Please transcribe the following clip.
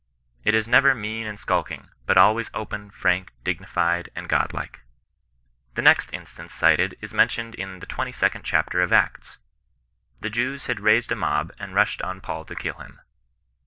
It is never mean and skulk ing but always open, frank, dignified, and godlike. The next instance cited is mentioned in the 22d chapter of Acts. The Jews had raised a mob, and rushed on Paul to kill him.